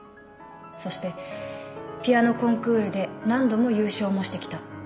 そしてピアノコンクールで何度も優勝もしてきた。